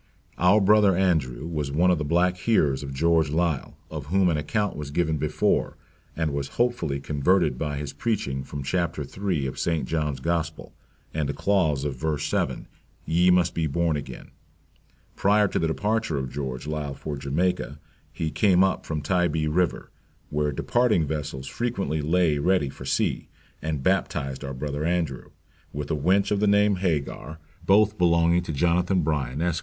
"Our Brother Andrew was one of the black hearers of George Liele," of whom an account was given before; and was hopefully converted by his preaching from chapter III. of St. John's Gospel, and a clause of verse 7, Ye must be born again; prior to the departure of George Liele for Jamaica, he came up from Tybee River, where departing vessels frequently lay ready for sea, and baptized our Brother Andrew, with a wench of the name Hagar, both belonging to Jonathan Bryan, Esq.